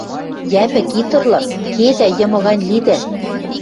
Йӓпӹк, ит ырлы — кедӓ, йымы гань лидӓ!..